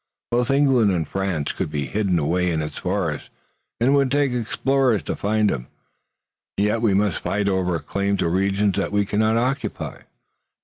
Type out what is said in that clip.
Both England and France could be hidden away in its forests, and it would take explorers to find them, and yet we must fight over a claim to regions that we cannot occupy."